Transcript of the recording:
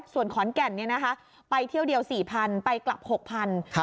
ส่วนขอนแก่นไปเที่ยวเดียว๔๐๐ไปกลับ๖๐๐บาท